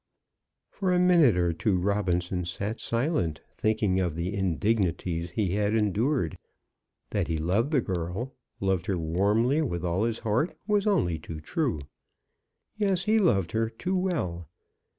For a minute or two Robinson sat silent, thinking of the indignities he had endured. That he loved the girl, loved her warmly, with all his heart, was only too true. Yes; he loved her too well.